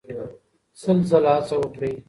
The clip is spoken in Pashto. سل ځله هڅه وکړئ.